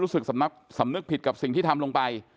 รู้สึกสำนึกผิดกับสิ่งที่ทำลงไป